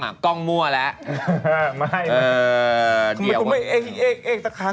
ทำไมต้องแอ้งอีกตะครั้ง